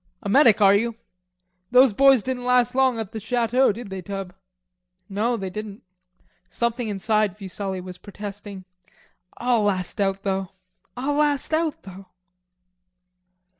"A medic are you? Those boys didn't last long at the Chateau, did they, Tub?" "No, they didn't." Something inside Fuselli was protesting; "I'll last out though. I'll last out though."